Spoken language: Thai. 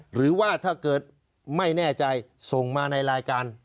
หรือว่าถ้าเกิดไม่แน่ใจส่งมาในรายการ